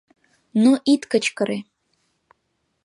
— Но ит кычкыре.